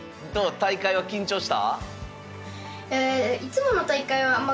大会は緊張した？